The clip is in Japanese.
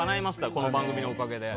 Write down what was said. この番組のおかげで。